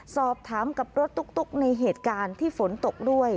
สอบถามกับรถตุ๊กในเหตุการณ์ที่ฝนตกด้วย